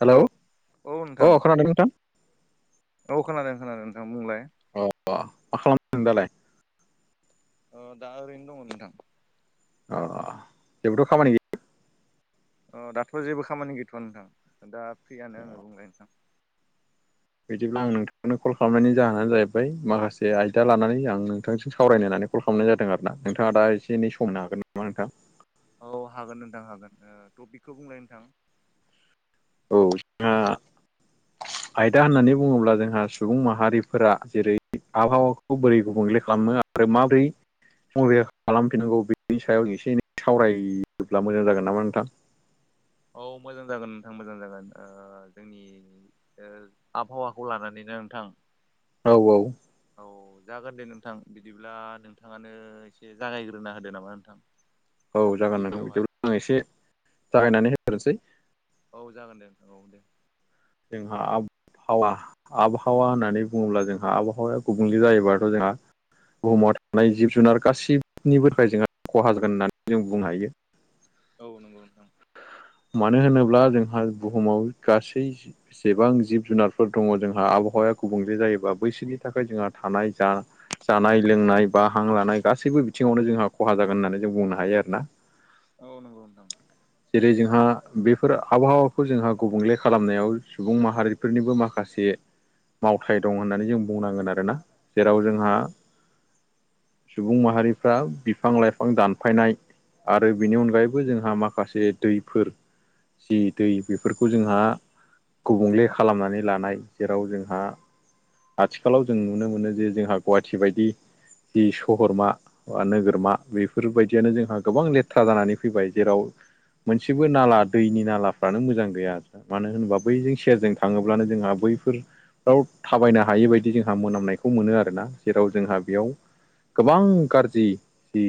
Hello औ नोंथां अ खोनादों नोंथां? औ खोनादों खोनादों नोंथां बुंलाय। [unintelligible] मा खालामदों दालाय? ओ दा ओरैनो दङ नोंथां। अ जेबोथ' खामानि गै अ दाथ' जेबो खामानि गैथ'वा नोंथां दा फ्रियानो आङो बुंलबाय नोंथां। बिदिब्ला आं नोंथांनो कल खालामनायनि जाहोनानो जाहैबाय माखासे आयदा लानानै आं नोंथांजों सावरायनो होननानै कल खालामनाय जादों आरोना, नोंथाङा दा एसे एनै सम होनो हागोन नामा नोंथां? औ हागोन नोंथां हागोन ओ टपिकखौ बुंलाय नोंथां? औ [unintelligible] आयदा होननानै बुङोब्ला जोंहा सुबुं माहारिफोरा जेरै आबहावाखौ बोरै गुबुंले खालामो आरो माब्रै [unintelligible] खालामफिननांगौ बेनि सायाव एसे एनै सावरायब्ला मोजां जागोन नामा नोंथां? औ मोजां जागोन नोंथां मोजां जागोन ओ जोंनि ओ आबहावाखौ लानानैनो नोंथां? औ औ। औ जागोन दे नोंथां बिदिब्ला, नोंथाङानो एसे जागायग्रोना होदो नामा नोंथां? औ जागोन गिबियावहाय नोंथां [unintelligible] आं एसे जागायनानै होग्रोसै। औ जागोन दे औ दे। जोंहा आब हावा आबहावा होननानै बुङोब्ला जोंहा आबहावाया गुबुंले जायोबाथ' जोंहा बुहुमाव थानाय जिब जुनार गासिनिबोनिफ्राय जोंहा खहा जागोन होननानै जों बुंनो हायो। औ नंगौ नोंथां। मानो होनोब्ला जोंहा बुहुमाव गासै सेबां जिब जुनारफोर दङ जोंहा आबहावाया गुबुंले जायोबा बैसोनि थाखाय जोंहा थानाय जा जानाय लोंनाय बा हां लानाय गासैबो बिथिङावनो जोंहा खहा जागोन होननानै जों बुंनो हायो आरोना। औ नंगौ नोंथां। जेरै जोंहा बेफोर आबहावाखौ जोंहा गुबुंले खालामनायाव सुबुं माहारिफोरनिबो माखासे मावथाय दं होननानै जों बुंनांगोन आरोना। जेराव जोंहा सुबुं माहारिफ्रा बिफां लाइफां दानफायनाय आरो बेनि अनगायैबो जोंहा माखासे दैफोर जि दै बेफोरखौ जोंहा गुबुंले खालामनानै लानाय जेराव जोंहा आथिखालाव जों नुनो मोनो जे जोंहा गुवाहाटि बायदि दि सहरमा बा नोगोरमा बेफोरबायदियानो जोंहा गोबां लेथ्रा जानानै फैबाय। जेराव मोनसेबो नाला दैनि नालाफ्रानो मोजां गैया। मानो होनोबा बैजों सेरजों थाङोब्लानो जोंहा बैफोर आव थाबायनो हायै बायदि जोंहा मोनामनायखौ मोनो आरोना। जेराव जोंहा बेयाव गोबां गाज्रि जि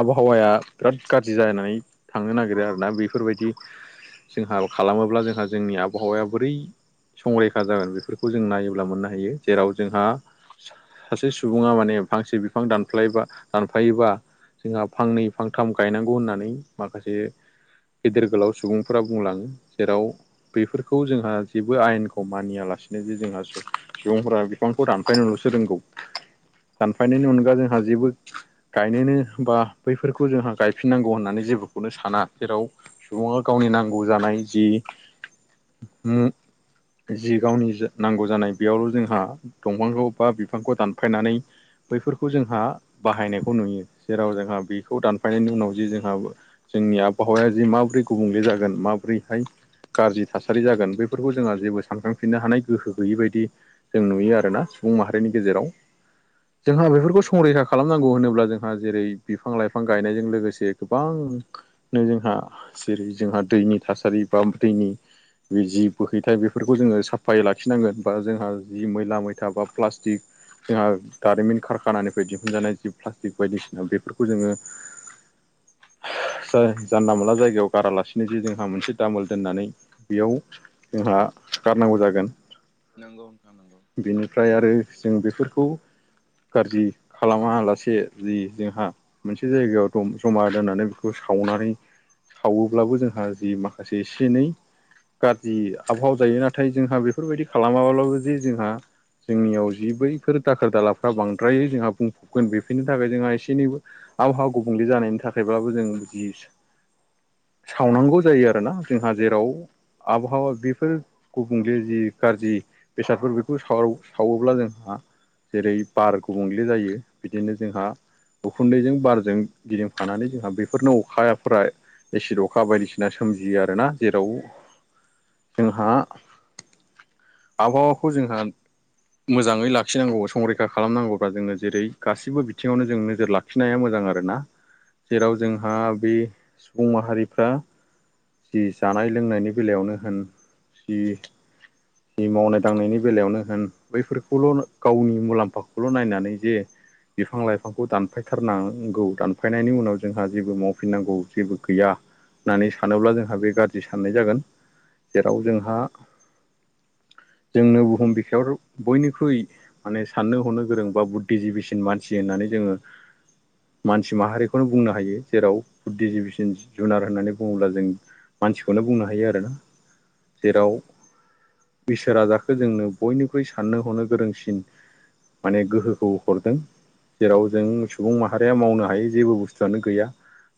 आबहावाया बिराद गाज्रि जानाय थांनो नागिरो आरोना बेफोरबायदि जोंहा खालामोब्ला जोंहा जोंनि आबहावाया बोरै संरैखा जागोन बेफोरखौ जों नायोब्ला मोननो हायो। जेराव जोंहा सासे सुबुङा माने फांसे बिफां दानफलायोबा दानफायोबा जोंहा फांनै फांथाम गायनांगौ होननानै माखासे गेदेर गोलाव सुबुंफोरा बुंलाङो जेराव बेफोरखौ जोंहा जेबो आयेनखौ मानियालासिनो जे जोंहा सुबुंफोरा बिफांखौ दानफायनोल'सो रोंगौ। दानफायनायनि अनगा जोंहा जेबो गायनोनो बा बैफोरखौ जोंहा गायफिननांगौ होननानै जेबो खौनो साना जेराव सुबुङा गावनि नांगौ जानाय जि उम जि गावनि जा नांगौ जानाय बेयावल' जोंहा दंफांखौ बा बिफांखौ दानफायनानै बैफोरखौ जोंहा बाहायनायखौ नुयो। जेराव जोंहा बेखौ दानफायनायनि उनाव जि जोंहा जोंनि आबहावाया जि माबोरै गुबुंले जागोन। माबोरैहाय गाज्रि थासारि जागोन बेफोरखौ जोंहा जेबो सानखांफिननो हानाय गोहो गैयै बायदि जों नुयो आरोना सुबुं माहारिनि गेजेराव जोंहा बेफोरखौ नंगौ संरैखा खालामनांगौ होनोब्ला जोंहा जेरै बिफां लाइफां गायनायजों लोगोसे गोबां नो जोंहा जेरै जोंहा दैनि थासारि बा दैनि बे जि बोहैथाइ बेफोरखौ जोङो साफायै लाखिनांगोन। बा जोंहा जि मैला मैथा बा प्लास्टिक जाहा दारिमिन कारखानानिफ्राय दिहुनजानाय जि प्लास्टिक बायदिसिना बेफोरखौ जोङो जा जानला मोनला जायगायाव गारालासिनो जे जोंहा मोनसे दामोल दोननानै बेयाव जोंहा गारनांगौ जागोन। नंगौ नोंथां नंगौ। बेनिफ्राय आरो जों बेफोरखौ गाज्रि खालामालासे जि जोंहा मोनसे जायगायाव दम ज'मा दोननानै फोर सावनानै सावोब्लाबो जोंहा जि माखासे एसे एनै गाज्रि आबहाव जायो। नाथाय जोंहा बेफोरबायदि खालामाब्लाबो जे जोंहा जोंनियाव जि बैफोर दाखोर दालाफ्रा बांद्राय जोंहा बुंफबगोन बेफोरनि थाखाय जोंहा एसे एनैबो आबहावा गुबुंले जानायनि थाखायबाबो जों जिस सावनांगौ जायो आरोना जोंहा जेराव। आबहावा बेफोर गुबुंले जि गाज्रि। बेसादफोर बेखौ साव सावोब्ला जोंहा जेरै बार गुबुंले जायो बिदिनो जोंहा। उखुन्दैजों बारजों गिदिंफानानै जोंहा बे फोरनो अखाफोरा एसिद अखा बायदिसिना सोमजियो आरोना। जेराव जोंहा आबहावाखौ जोंहा। मोजाङै लाखिनांगौ संरैखा खालामनांगौब्ला जोङो जेरै गासिबो बिथिङावनो जों नोजोर लाख खिनाया मोजां आरो ना। जेराव नंगौ जोंहा नोंथां बे बुं माहारिफ्रा जि जानाय लोंनायनि बेलायावनो होन। जि [inaudible] मावनाय दांनायनि बेलायावनो होन बैफोरखौल' गावनि मुलाम्फाखौल' नायनानै जे बिफां लाइफांखौ दानफायथारनांगौ दानफायनायनि उनाव जोंहा जेबो मावफिननांगौ जेबो गैया होननानै सानोब्ला जोंहा बे गाज्रि साननाय जागोन। जेराव जोंहा जोंनो बुहुम बिखायाव बयनिख्रुइ माने साननो हनो गोरों बा बुद्धिजिबिसिन मानसि होननानै जोङो मानसि माहारिखौनो बुंनो हायो जेराव फुड डगजिबिसन जुनार होननानै बुङोब्ला जों मानसिखौनो बुंनो हायो आरोना। जेराव इसोरा जाखौ जोंनो बयनिख्रुइ साननो हनो गोरोंसिन माने गोहोखौ हरदों। जेराव जों सुबुं माहारिया मावनो हायै जेबो बुस्थु जानो गैया।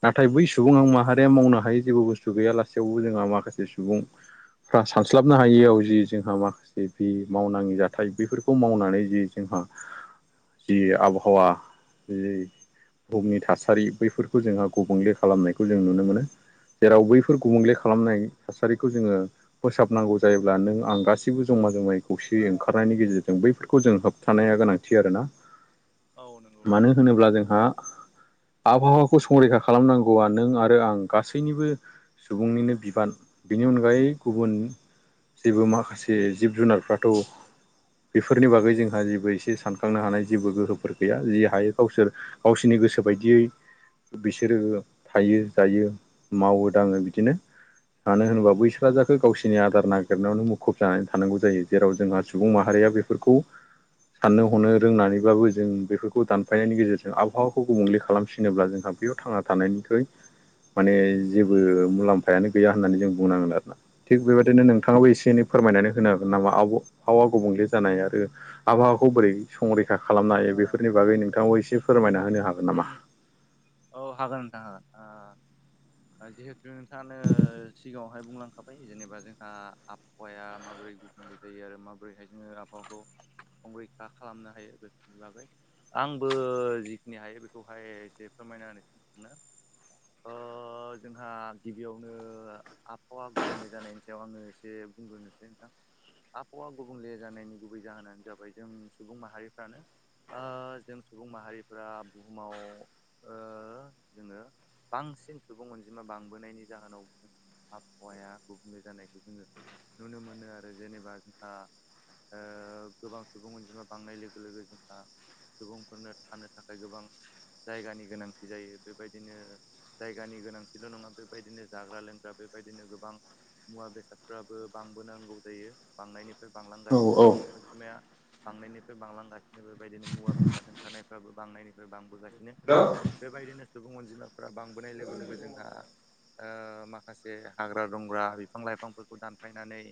नाथाय बै सुबुं आं माहारिया मावनो हायो जेबो बुस्थु गैया लासेैयावबो जोंहा माखासे सुबुं फ्रा सानस्लाबनो हायियाव जि जोंहा मा बिदि मावनाङि जाथाय बेफोरखौ मावनानै जि जोंहा जि आबहावा जि बुहुमनि थासा सारि बैफोरखौ जोङो गुबुंले खालामनायखौ जों नुनो मोनो। जेराव बैफोर गुबुंले खालामनाय थासारिखौ जोङो फोसाबनांगौ जायोब्ला नों आं गाससिबो जमा जमायै खौसेै ओंखारनायनि गेजेरजों बैफोरखौ जों होब थानाया गोनांथि आरोना। औ नंगौ नोंथां। मानो होनोब्ला जोंहा आबहावाखौ संरैखा खालामनांगौआ नों आरो आं गासैनिबो सुबुंनिनो बिबान। बिनि अनगायै गुबुन जेबो माखासे जिब जुनारफ्राथ' बेफोरनि बागै जोंहा जेबो एसे सानखांनो हानाय जेबो गोहोफोर गैया। जि हायो गावसोर गावसिनि गोसो बायदियै बिसोरोबो थायो जायो मावो दाङो बिदिनो। मानो होनोबा बैसोआ जाखौ गावसिनि आदार नागिरनायावनो मुखुब जानानै थानांगौ जायो। जेराव जोंहा सुबुं माहारिया बे फोरफोरखौ साननो हनो रोंनानैब्लाबो जों बेफोरखौ दानफायनायनि गेजेरजों आबहावाखौ गुबुंले खालामसिन नोब्ला जोंहा बेयाव थांना थानायनिख्रुइ माने जेबो मुलाम्फायानो गैया होननानै जों बुंनांगोन आरोना। थिग बेबायदिनो नोंथाङाबो एसे एनै फोरमायनानै होनो हागोन नामा आब-आबहावा गुबुंले जानाय आरो आबहावाखौ बोरै संरैखा खालामनो ओ हायो बेफोरनि ओ बागै नोंथांखौ एसे फोरमायना होनो हागोन नामा? औ हागोन नोंथां हागोन। ओ जिहेथु नोंथाङानो सिगाङावहाय बुंलांखाबाय जेनेबा जोंहा आबहावाया माबोरै गुबुंले जायो आरो माबोरैहाय जोङो आबहावाखौ संरैखा खालामनो हायो बेफोरनि बागै। आंबो जिखिनि हायो बेखौहाय एसे फोरमायना होनोसै सानो। ओ जोंहा गिबियावनो आबहावा गुबुंले जानायनि थियाव आङो एसे बुंग्रोनोसै नोंथां। आबहावा गुबुंले जानायनि गुबै जाहोनानो जाबाय जों सुबुं माहारिफ्रानो। ओ जों सुबुं माहारिफोरा बुहुमाव ओ जोङो बांसिन सुबुं अनजिमा बांबोनायनि जाहोनाव आबहावाया गुबुंले जानायखौ जोङो नुनो मोनो आरो। जेनेबा जोंहा ओ गोबां सुबुं अनजिमा बांनाय लोगो लोगो जोंहा सुबुंफोरनो थानो थाखाय गोबां जायगानि गोनांथि जायो। बेबायदिनो जायगानि गोनांथिल' नङा बेबायदिनो जाग्रा लोंग्रा बेबायदिनो गोबां मुवा बेसादफ्राबो बांबोनांगौ जायो। बांनायनिफ्राय औ बांलांगासिनो औ सुबुं अनजिमाया बांनायनिफ्राय बांलांगासिनो बेबादिनो मुवा बेसाद ओंखारनायफ्राबो बांनायनिफ्राय बांबोगासिनो। हेल' [unintelligible] बेबायदिनो सुबुं अनजिमाफोरा बांबोनाय लोगो लोगो जोंहा ओ माखासे हाग्रा दंग्रा बिफां लाइफांफोरखौ दानफायनानै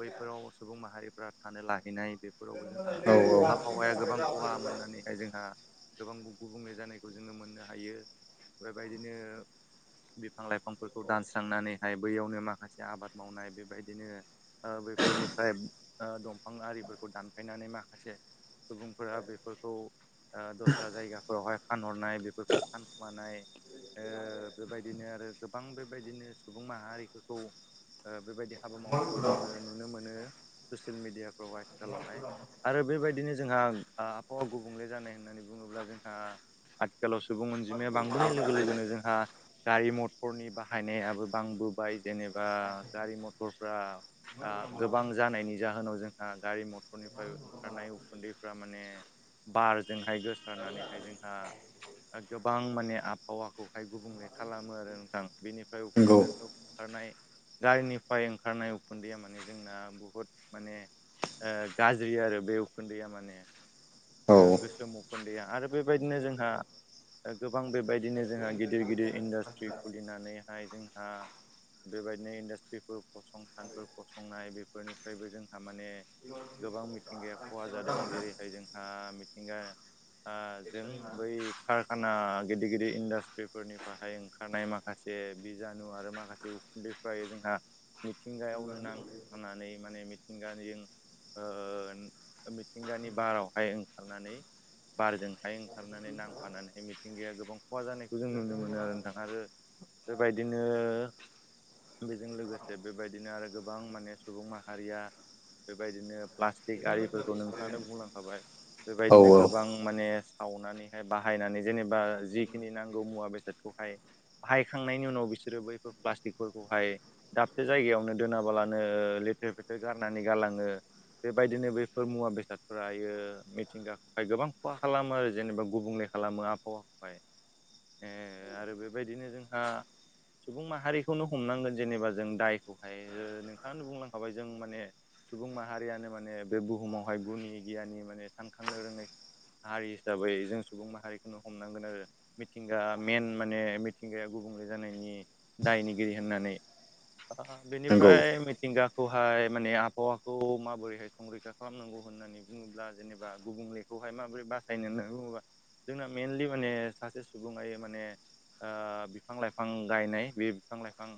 बैफोराव सुबुं माहारिफ्रा थानो लाहैनाय बेफोरावबो जोंहा औ औ आबहावाया गोबां खहा मोननानैहाय जोंहा गोबां गुबुंले जानायखौ जोंनो मोन नो हायो बेबायदिनो बिफां लाइफांफोरखौ दानस्रांनानैहाय बैयावनो माखासे आबाद मावनाय बेबायदिनो ओ बेफोरनिफ्राय ओ दंफां आरिफोरखौ दानफायनानै माखासे सुबुंफोरा बेफोरखौ ओ दस्रा जायगाफोरावहाय फानहरनाय बे फानखोमानाय ओ बेबायदिनो आरो गोबां बेबायदिनो सुबुं माहारिफोरखौ ओ बेबायदि हाबा मावनायखौ जोंङो नुनो मोनो ससियेल मेडियाफ्राव आथिखालावहाय आरो बेबायदिनो जोंहा ओ आबहावा गुबुंले जानाय होननानै बुंङोब्ला जोंहा आथिखालाव सुबुं अनजिमाया बांबोनाय लोगो लोगोनो जोंहा गारि मथरनि बाहायनायाबो बांबोबाय जेनेबा गारि मथरफ्रा ओ गोबां जानायनि जाहोनाव जोंहा गारि मथरनिफ्राय ओंखारनाय उखुन्दैफ्रा माने बारजोंहाय गोसारनानैहाय जोंहा गोबां माने आबहावाखौहाय गुबुंले खालामो आरो नोंथां बेनिफ्राय उखुन नंगौ ओंखारनाय जायनिफाय ओंखारनाय उखुन्दैया माने जोंना बुहुद माने ओ गाज्रि आरो बे उखुन्दैया माने औ गोसोम उखोन्दैया आरो बेबायदिनो जोंहा दा गोबां बेबायदिनो जोंहा गिदिर गिदिर इन्डास्ट्रि खुलिनानैहाय जोंहा बेबायदिनो इन्डास्ट्रिफोर फसंथानफोर फसंनाय बेफोरनिफ्रायबो जोंहा माने गोबां मिथिंगाया खहा जादों जेरैहाय जोंहा मिथिंगा ओ जों बै कारखाना गिदिर गिदिर इन्डास्ट्रिफोरनिफाय ओंखारनाय माखासे बिजानु आरो माखासे उखुन्दैफ्रायो जोंहा मिथिंगायावनो नांथानानै माने मिथिंगानि जों ओ मिथिंगानि बारावहाय ओंखारनानै बारजोंहाय ओंखारनानै नांफानानैहाय मिथिंगाया गोबां खहा जानायखौ जों नुनो मोनो आरो नोंथां आरो बेबायदिनो बेजों लोगोसे बेबायदिनो आरो गोबां माने सुबुं माहारिया बेबायदिनो प्लास्टिक गारिफोरखौ नोंथांङानो बुंलांखाबाय औ बेबायदिनो औ गोबां आं माने सावनानैहाय बाहायनानै जेनेबा जिखिनि नांगौ मुवा बेसादखौहाय बाहायखांनायनि उनाव बिसोरो बैफोर प्लास्टिकफोरखौहाय दाबसे जायगायावनो दोनाबालानो लेथेर फेथेर गारनानै गालांङो। बेबायदिनो बेफोर मुवा बेसादफ्रायो मिथिंगाखौहाय गोबां खहा खालामो आरो जेनेबा गुबुंले खालामो आबहावाखौहाय ओ आरो बेबायदिनो जोंहा सुबुं माहारिखौनो हमनांगोन जेनेबा जों दायखौहाय नोंथांङानो बुंलांखाबाय जों माने सुबुं माहारियानो माने बे बुहुमावहाय गुनि गियानि माने सानखांनो रोङै हारि हिसाबै जों सुबुं माहारिखोनो हमनांगोन आरो मिथिंगा मइेन माने मिथिंगाया गुबुंले जानायनि दायनिगिरि होननानै नंगौ बेनिफ्राय मिथिंगा खौहाय माने आबहावाखौ माबोरैहाय संरैखा खालामनांगौ होननानै बुंङोब्ला जेनेबा गुबुंलेखौहाय माबोरै बासायनो होनना बुंङोबा जोंना मेइेनलि माने सासे सुबुङा इयो माने ओ बिफां लाइफां गायनाय बे बिफां लाइफां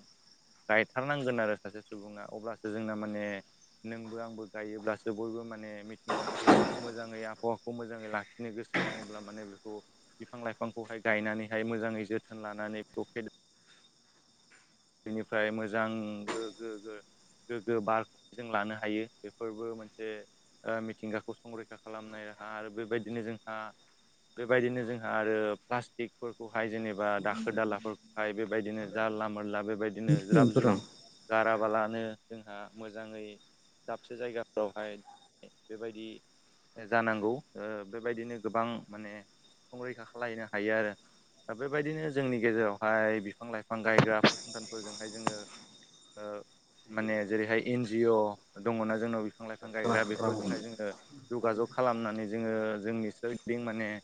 गायथारनांगोन आरो सासे सुबुङा अब्लासो जोंना माने नोंबो आंबो गायोब्लासो बयबो माने मिथिंगा खौ मोजाङै आबहावाखौ मोजाङै लाखिनो गोसो दंङब्ला माने बेखौ बिफां लाइफांखौहाय गायनानैहाय मोजाङै जोथोन लानानै बेखौ फे बेनिफ्राय मोजां गोगगो गोग्गो बारखौ जों लानो हायो बेफोरबो मोनसे ओ मिथिंगाखौ संरैखा खालामनाय राहा आरो बेबायदिनो जोंहा बेबायदिनो जोंहा आरो प्लास्टिकफोरखौहाय जेने बा दाखोर दालाफोरहाय बेबायदिनो जारला मारला बेबायदिनो मिथिनो ज्राब प्रुफ रां गाराबालानो जोंहा मोजाङै दाबसे जायगाफोरावहाय बेबायदि जानांगौ बेबायदिनो गोबां माने संरैखा खानो हायो आरो। दा बेबायदिनो जोंनि गेजेरावहाय बिफां लाइफां गायग्रा फसंथानफोरजोंहाय जोङो ओ माने जेरैहाय एन जिअ दङना जोंनाव बिफां लाइफां गायग्रा बेफोरजोंहाय जोङो जगाजग खालामनानै जोङो जोंनि सोरगिदिं माने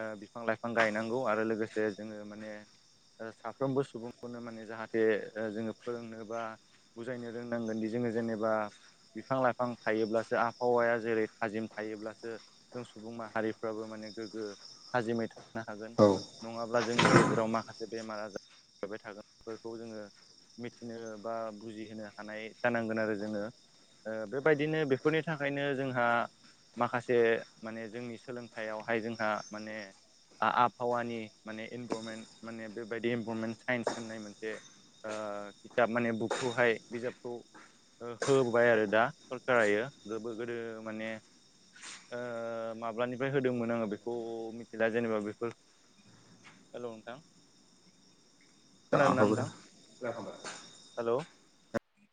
ओ बिफां लाइफां गायनांगौ आरो लोगोसे जोङो माने साफ्रोमबो सुबुंफोरनो माने जाहा दैरंजाहाथे जोङो फोरोंनो बा बुजायनो रोंनांगोन दि जोङो जेनेबा बिफां लाइफां थायोब्लासो आबहावाया जेरै थाजिम थायोब्लासो जों सुबुं माहारिफ्राबो माने गोग्गो थाजिमै था हागोन औ नङाब्ला जोंनि गेजेराव माखासे बेमारा जाबाय थागोन। खौ जोङो मिथिनो बा बुजिहोनो हानाय जानांगोन आरो जोङो ओ बेबायदिनो बेफोरनि थाखायनो जोंहा। माखासे माने जोंनि सोलोंथाइयावहाय जोंहा माने आबहावानि माने इनभारमेन्ट माने बेबायदि इनभाररनमेन्ट साइन्स होननाय मोनसे खिथाब माने बुकखौहाय बिजाबखौ होबोबाय आरो दा सरखारायो गो गोदो माने ओ माब्लानिफ्राय होदोंमोन आङो बेखौ मिथिला जेनेबा बेफोर हेलौ नोंथां खोनादोंना दा नोंथां हेलौ?